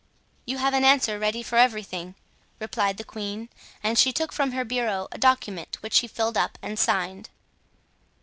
"You have an answer ready for everything," replied the queen, and she took from her bureau a document, which she filled up and signed.